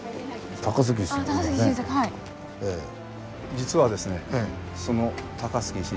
実はですね